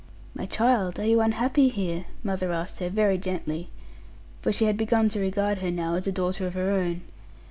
'My child, are you unhappy here?' mother asked her, very gently, for she had begun to regard her now as a daughter of her own.